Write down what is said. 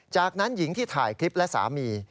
จากนั้นหญิงที่ถ่ายคลิปและสามี